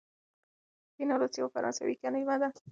فینانس یوه فرانسوي کلمه ده.